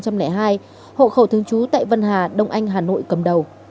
hộ khẩu thương chú tại vân hà đông anh hà nội cầm đầu